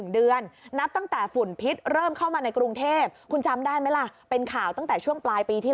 ๑เดือนนับตั้งแต่ฝุ่นพิษเริ่มเข้ามาในกรุงเทพคุณจำได้ไหมล่ะเป็นข่าวตั้งแต่ช่วงปลายปีที่แล้ว